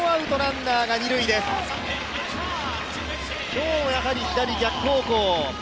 今日、やはり左逆方向。